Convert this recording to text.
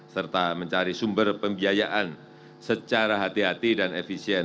serta mencari sumber pembiayaan secara hati hati dan efisien